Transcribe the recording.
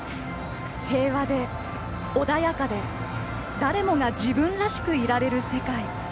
平和で穏やかで誰もが自分らしくいられる世界。